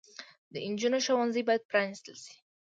د انجونو ښوونځي بايد پرانستل شي